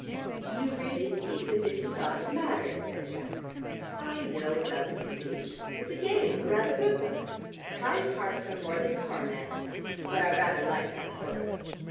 "You really speak as if you thought it mattered," said Jack. "I know it doesn't really. It's a game, a rather good one. Kind hearts are more than coronets, but I rather like having both.